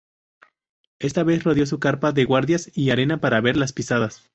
Esta vez rodeó su carpa de guardias y arena para ver las pisadas.